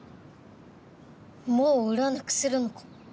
もう売らなくするのか？